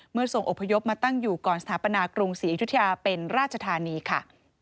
ส่งอพยพมาตั้งอยู่ก่อนสถาปนากรุงศรีอยุธยาเป็นราชธานีค่ะ